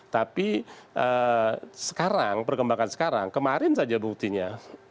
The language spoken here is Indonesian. tapi sekarang perkembangan sekarang kemarin saja buktinya